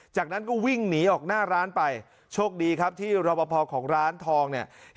จากนั้นก็วิ่งหนีออกหน้าร้านไปโชคดีครับที่รอปภของร้านทองเนี่ย